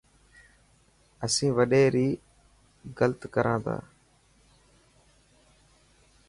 اسين وڏي ري غلط ڪرنا تا.